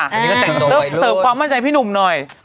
เสร็จเร่งผิดหม่อมั่นใจไว้พี่หนุ่มหน่อย